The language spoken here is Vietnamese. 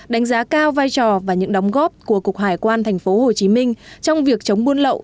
đánh giá cao vai trò và những đóng góp của cục hải quan tp hcm trong việc chống buôn lậu